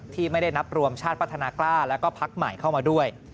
ที่ไม่ได้นับรวมชาติพัฒนากล้าแล้วก็พักใหม่เข้ามาด้วย